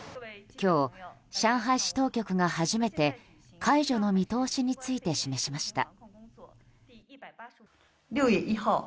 今日、上海市当局が初めて解除の見通しについて示しました。